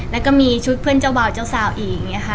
แล้วก็มีชุดเพื่อนเจ้าบ่าวเจ้าสาวอีกอย่างนี้ค่ะ